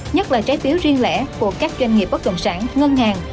nhất là trái phiếu riêng lẻ của các doanh nghiệp bất động sản ngân hàng